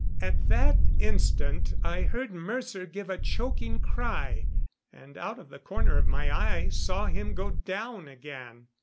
At that instant I heard Mercer give a choking cry, and out of the corner of my eye saw him go down again.